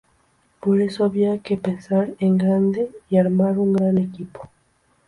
Por eso, había que pensar en grande y armar un gran equipo.